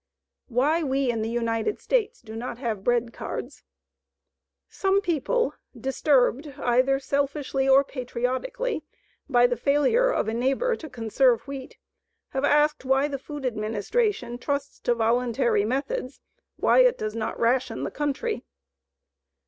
WHY WE IN THE UNITED STATES DO NOT HAVE BREAD CARDS Some people, disturbed either selfishly or patriotically by the failure of a neighbor to conserve wheat, have asked why the Food Administration trusts to voluntary methods, why it does not ration the country.